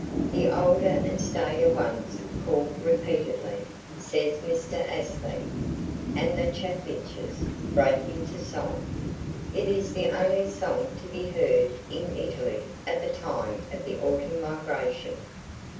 "The older and staider ones call repeatedly," says Mr. Astley, "and the chaffinches break into song. It is the only song to be heard in Italy at the time of the autum migration."